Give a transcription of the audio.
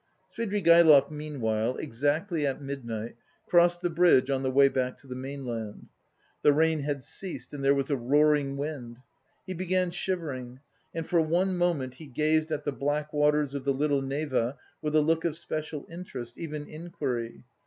Svidrigaïlov meanwhile, exactly at midnight, crossed the bridge on the way back to the mainland. The rain had ceased and there was a roaring wind. He began shivering, and for one moment he gazed at the black waters of the Little Neva with a look of special interest, even inquiry.